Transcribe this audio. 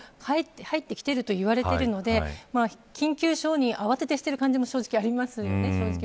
もう第８波に入ってきていると言われているので緊急承認、慌ててしてる感じもありますよね。